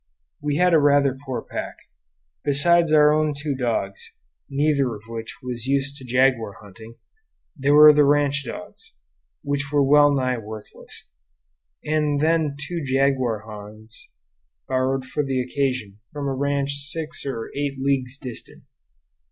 We had a rather poor pack. Besides our own two dogs, neither of which was used to jaguar hunting, there were the ranch dogs, which were well nigh worthless, and then two jaguar hounds borrowed for the occasion from a ranch six or eight leagues distant.